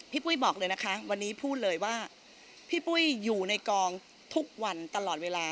ปุ้ยบอกเลยนะคะวันนี้พูดเลยว่าพี่ปุ้ยอยู่ในกองทุกวันตลอดเวลา